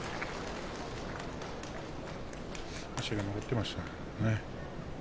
足が残っていました。